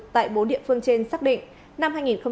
tại bốn địa phương trên xác định năm hai nghìn một mươi chín